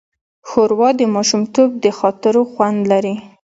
ښوروا د ماشومتوب د خاطرو خوند لري.